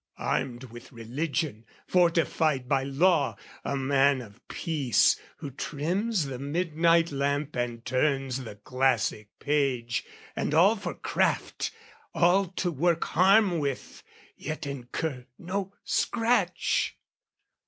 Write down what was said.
Armed with religion, fortified by law, A man of peace, who trims the midnight lamp And turns the classic page and all for craft, All to work harm with, yet incur no scratch!